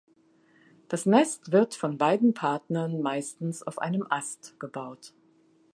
Das Nest wird von beiden Partnern, meistens auf einem Ast, gebaut.